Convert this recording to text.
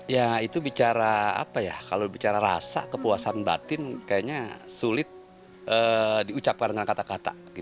ya itu bicara apa ya kalau bicara rasa kepuasan batin kayaknya sulit diucapkan dengan kata kata